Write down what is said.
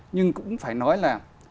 nhưng cũng phải nói là